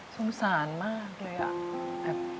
สงสารมากเลยอะ